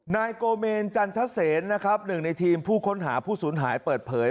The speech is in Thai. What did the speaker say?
นายโกเมนจันทเซนนะครับหนึ่งในทีมผู้ค้นหาผู้สูญหายเปิดเผย